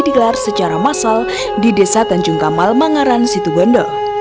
digelar secara massal di desa tanjung kamal manggaran situ pondo